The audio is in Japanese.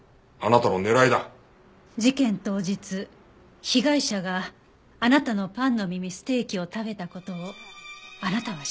事件当日被害者があなたのパンの耳ステーキを食べた事をあなたは知っていた。